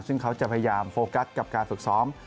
ซึ่งเขาจะพยายามโฟกัสกับการฝึกซ้อม